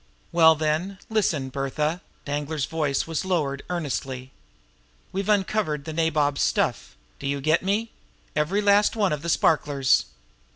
"Well, then, listen, Bertha!" Danglar's voice was lowered earnestly. "We've uncovered the Nabob's stuff! Do you get me? Every last one of the sparklers!"